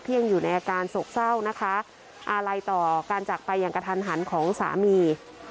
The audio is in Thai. ยังอยู่ในอาการโศกเศร้านะคะอาลัยต่อการจากไปอย่างกระทันหันของสามี